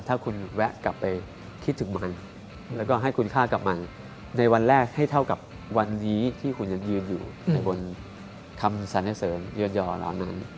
ถ้าคุณแวะกลับไปคิดถึงมันแล้วก็ให้คุณค่ากับมันในวันแรกให้เท่ากับวันนี้ที่คุณยังยืนอยู่ในบนคำสรรเสริมยอเหล่านั้น